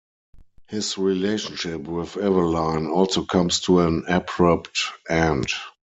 His relationship with Evelyne also comes to an abrupt end.